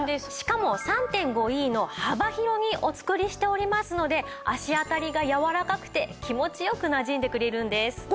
しかも３．５Ｅの幅広にお作りしておりますので足あたりがやわらかくて気持ちよくなじんでくれるんです。